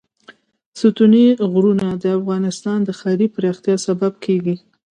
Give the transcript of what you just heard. ستوني غرونه د افغانستان د ښاري پراختیا سبب کېږي.